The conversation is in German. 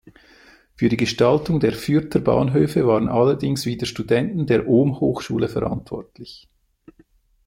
Für die Gestaltung der Fürther Bahnhöfe waren allerdings wieder Studenten der Ohm-Hochschule verantwortlich.